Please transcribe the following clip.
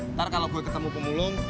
ntar kalau gue ketemu pemulung